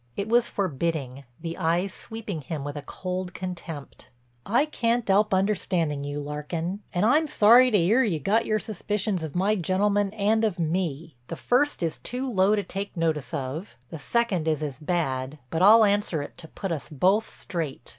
It was forbidding, the eyes sweeping him with a cold contempt: "I can't 'elp understanding you, Larkin, and I'm sorry to 'ear you got your suspicions of my gentleman and of me. The first is too low to take notice of; the second is as bad, but I'll answer it to put us both straight.